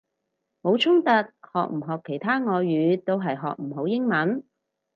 冇衝突，學唔學其他外語都係學唔好英文！